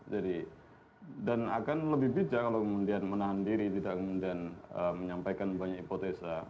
dan akan lebih bijak kalau kemudian menahan diri tidak kemudian menyampaikan banyak hipotesa